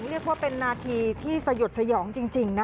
เรียกว่าเป็นนาทีที่สยดสยองจริงนะ